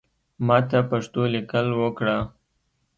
ماته پښتو لیکل اوکړه